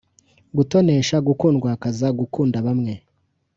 gutonesha: gukundwakaza, gukunda bamwe.